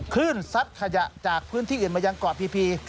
ซัดขยะจากพื้นที่อื่นมายังเกาะพี